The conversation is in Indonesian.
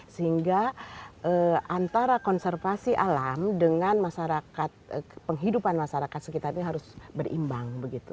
sehingga antara konservasi alam dengan masyarakat penghidupan masyarakat sekitarnya harus berimbang